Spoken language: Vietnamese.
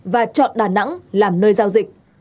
và chọn đà nẵng làm nơi giao dịch